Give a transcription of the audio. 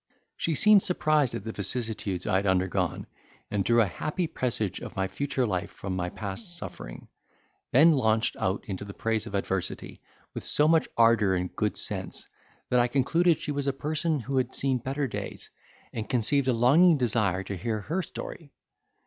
She seemed surprised at the vicissitudes I had undergone, and drew a happy presage of my future life from my past suffering, then launched out into the praise of adversity, with so much ardour and good sense, that I concluded she was a person who had seen better days, and conceived a longing desire to hear her story.